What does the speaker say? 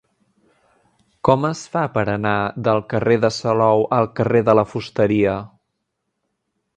Com es fa per anar del carrer de Salou al carrer de la Fusteria?